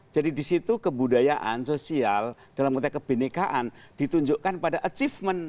jadi di situ kebudayaan sosial dalam konteks kebenekaan ditunjukkan pada achievement